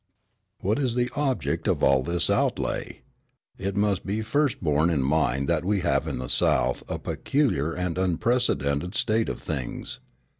What is the object of all this outlay? It must be first borne in mind that we have in the South a peculiar and unprecedented state of things.